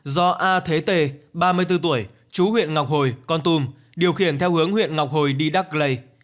do a thế tề ba mươi bốn tuổi chú huyện ngọc hồi con tum điều khiển theo hướng huyện ngọc hồi đi đắc lây